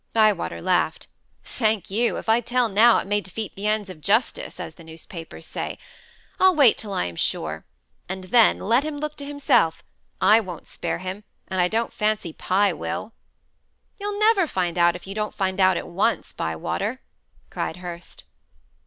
Bywater laughed. "Thank you. If I tell now, it may defeat the ends of justice, as the newspapers say. I'll wait till I am sure and then, let him look to himself. I won't spare him, and I don't fancy Pye will." "You'll never find out, if you don't find out at once, Bywater," cried Hurst.